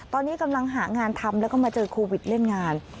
ตอนนี้กำลังหางานทำแล้วก็มาเจอโควิดเล่นงาน